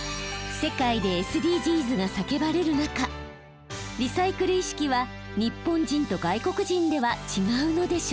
世界でＳＤＧｓが叫ばれる中リサイクル意識は日本人と外国人では違うのでしょうか？